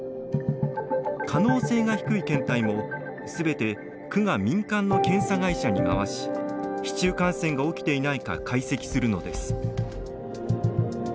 可能性が低い検体もすべて区が民間の検査会社に回し市中感染が起きていないか解析するのです。